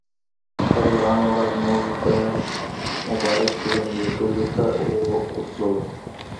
په دویمه ورځ موږ د مبارکې ونې لیدلو ته ورتللو.